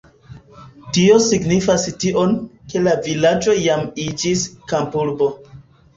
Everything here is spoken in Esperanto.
Tio signifis tion, ke la vilaĝo jam iĝis kampurbo.